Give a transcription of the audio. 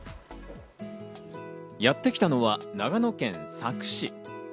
やってきたのは長野県佐久市。